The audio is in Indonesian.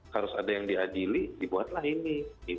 harus ada yang diadili dibuatlah ini